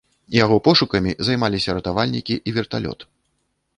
Яго пошукамі займаліся ратавальнікі і верталёт.